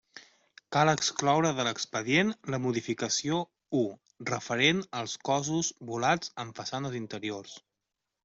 Cal excloure de l'expedient la modificació 'I' referent als cossos volats en façanes interiors.